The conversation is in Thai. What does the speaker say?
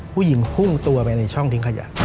ผู้หญิงหุ้งตัวไปในช่องทิ้งขยะ